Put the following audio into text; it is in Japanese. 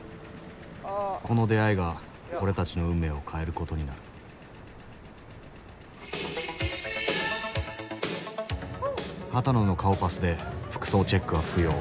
この出会いが俺たちの運命を変えることになる波多野の顔パスで服装チェックは不要。